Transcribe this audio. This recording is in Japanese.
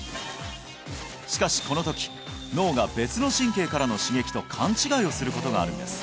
しかしこの時脳が別の神経からの刺激と勘違いをすることがあるんです